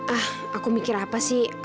ah aku mikir apa sih